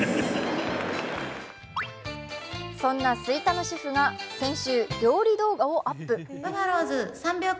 そんな吹田の主婦が先週、料理動画をアップ。